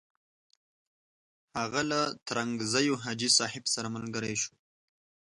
هغه له ترنګزیو حاجي صاحب سره ملګری شو.